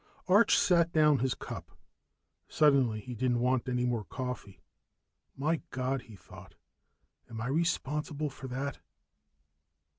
Arch set down his cup. Suddenly he didn't want any more coffee. My God, he thought, _am I responsible for that?